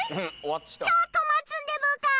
ちょっと待つんでブーカ。